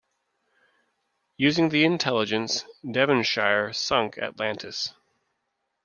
Using the intelligence, "Devonshire" sunk "Atlantis".